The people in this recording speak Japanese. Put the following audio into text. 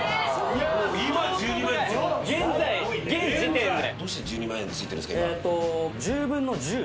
現在現時点で！